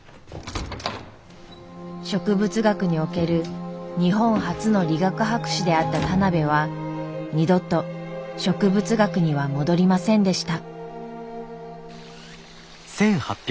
植物学における日本初の理学博士であった田邊は二度と植物学には戻りませんでした。